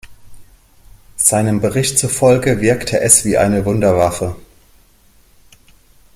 Seinem Bericht zufolge wirkte es wie eine Wunderwaffe.